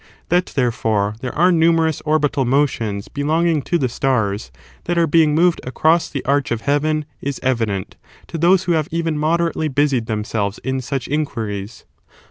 That, therefore, there are numerous orbital motions belonging to the stars ^ that are being moved across the arch of heaven is evident to those who have even moderately busied them selves in such inquiries.